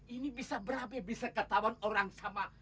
ini bisa berapa ya bisa ketahuan orang sama